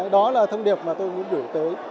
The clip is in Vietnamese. đó là thông điệp mà tôi muốn gửi tới